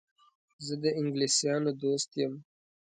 زه د انګلیسیانو دوست یم.